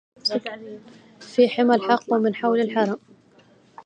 في حمى الحق ومن حول الحرم